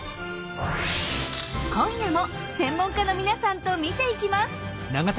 今夜も専門家の皆さんと見ていきます。